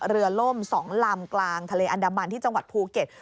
ล่ม๒ลำกลางทะเลอันดามันที่จังหวัดภูเก็ต